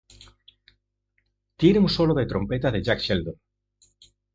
Tiene un solo de trompeta de Jack Sheldon.